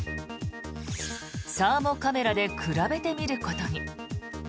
サーモカメラで比べてみることに。